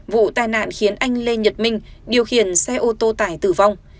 vụ tai nạn khiến anh lê nhật minh điều khiển xe ô tô tải tử vong